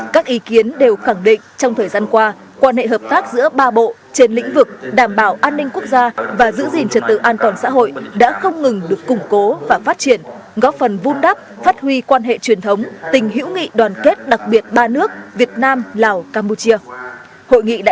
các ý kiến đều khẳng định trong thời gian qua quan hệ hợp tác giữa ba bộ trên lĩnh vực đảm bảo an ninh quốc gia và giữ gìn trật tự an toàn xã hội đã không ngừng được củng cố và phát triển góp phần vun đắp phát huy quan hệ truyền thống tình hữu nghị đoàn kết đặc biệt ba nước việt nam lào campuchia